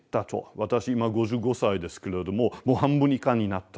私今５５歳ですけれどももう半分以下になったと。